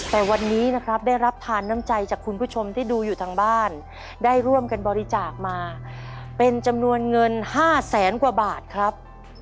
แต่วันนี้นะครับได้รับทานน้ำใจจากคุณผู้ชมที่ดูอยู่ทางบ้านได้ร่วมกันบริจาคมาเป็นจำนวนเงิน๕แสนกว่าบาทครับ